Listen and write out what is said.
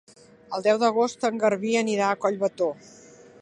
El deu d'agost en Garbí anirà a Collbató.